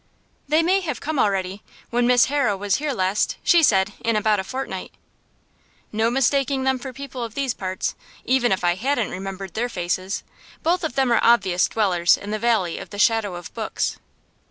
'They may have come already. When Miss Harrow was here last, she said "in about a fortnight."' 'No mistaking them for people of these parts, even if I hadn't remembered their faces. Both of them are obvious dwellers in the valley of the shadow of books.